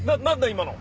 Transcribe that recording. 今の。